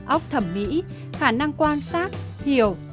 ốc thẩm mỹ khả năng quan sát hiểu